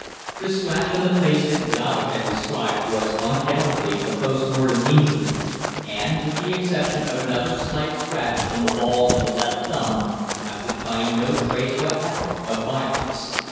The scratch on the face that Govitt had described was undoubtedly a post mortem injury, and, with the exception of another slight scratch on the ball of the left thumb, I could find no trace whatever of violence.